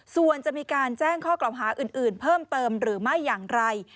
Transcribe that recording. ส่วนจะมีการแจ้งข้อกล่าวหาอื่นเพิ่มเติมหรือไม่อย่างไร